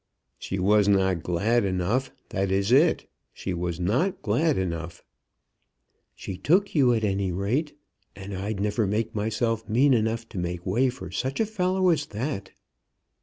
"She was not glad enough. That is it. She was not glad enough." "She took you, at any rate, and I'd never make myself mean enough to make way for such a fellow as that."